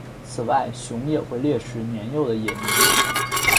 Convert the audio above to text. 此外熊也会猎食年幼的野牛。